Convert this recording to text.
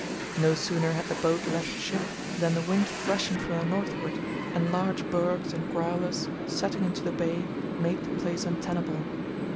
No sooner had the boat left ship than the wind freshened from the northward, and large bergs and growlers, setting into the bay, made the place untenable.